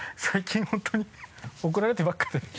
最近本当に怒られてばっかりで。